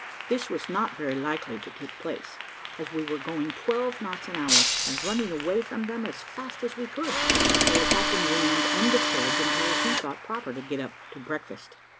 This was not very likely to take place, as we were going twelve knots an hour, and running away from them as fast as we could, so the captain remained undisturbed until he thought proper to get up to breakfast.